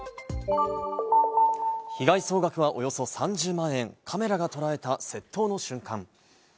被害総額はおよそ３０万円、カメラが捉えた窃盗の瞬間。